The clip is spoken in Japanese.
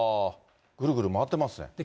ぐるぐる回ってますね。